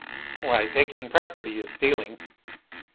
"Why, taking property is stealing."